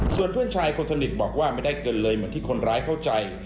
ส่วนเพื่อนชายคนสนิทบอกว่าไม่ได้เกินเลยเหมือนที่คนร้ายเข้าใจ